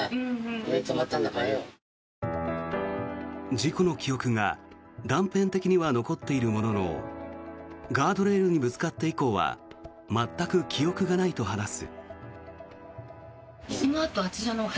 事故の記憶は断片的には残っているもののガードレールにぶつかって以降は全く記憶がないと話す。